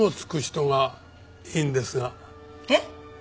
えっ？